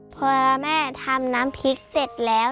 พอแม่ทำน้ำพริกเสร็จแล้ว